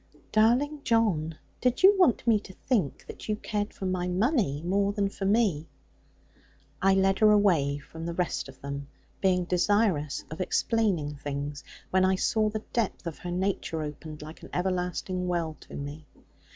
'Darling John, did you want me to think that you cared for my money, more than for me?' I led her away from the rest of them, being desirous of explaining things, when I saw the depth of her nature opened, like an everlasting well, to me.